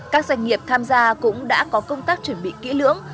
các doanh nghiệp tham gia cũng đã có công tác chuẩn bị kỹ lưỡng